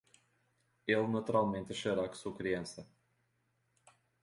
Ele naturalmente achará que sou criança.